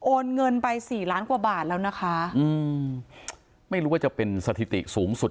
เงินไปสี่ล้านกว่าบาทแล้วนะคะอืมไม่รู้ว่าจะเป็นสถิติสูงสุด